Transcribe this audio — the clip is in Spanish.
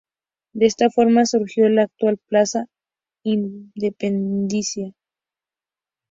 De esta forma surgió la actual Plaza Independencia.